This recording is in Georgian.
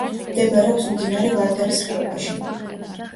მდებარეობს მდინარე ვარდარის ხეობაში.